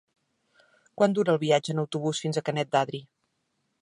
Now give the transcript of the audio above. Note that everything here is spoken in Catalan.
Quant dura el viatge en autobús fins a Canet d'Adri?